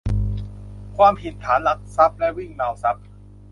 ความผิดฐานลักทรัพย์และวิ่งราวทรัพย์